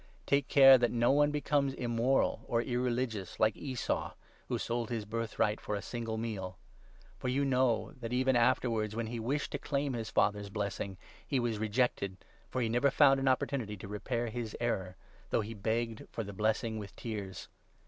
Take care that no one becomes immoral, or 16 irreligious like Esau, who sold his birthright for a single meal. For you know that even afterwards, when he wished 17 to claim his father's blessing, he was rejected— for he never found an opportunity to repair his error — though he begged for the blessing with tears.